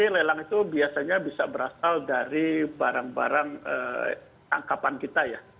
lelang itu biasanya bisa berasal dari barang barang tangkapan kita ya